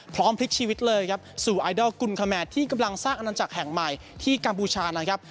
พลิกชีวิตเลยครับสู่ไอดอลกุลคแมทที่กำลังสร้างอนันจักรแห่งใหม่ที่กัมพูชานะครับ